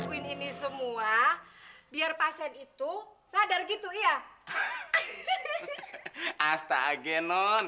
gerbased hanya banget